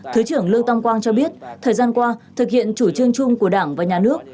thứ trưởng lương tâm quang cho biết thời gian qua thực hiện chủ trương chung của đảng và nhà nước